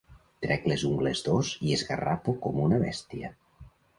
Trec les ungles d'ós i esgarrapo com una bèstia.